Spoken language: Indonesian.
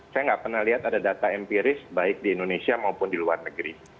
saya nggak pernah lihat ada data empiris baik di indonesia maupun di luar negeri